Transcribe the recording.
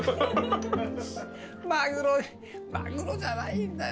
マグロマグロじゃないんだよ。